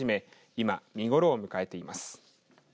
今、見頃を迎えています。